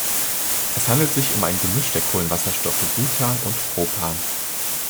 Es handelt sich um ein Gemisch der Kohlenwasserstoffe Butan und Propan.